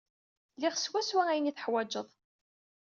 Liɣ swaswa ayen ay teḥwajed.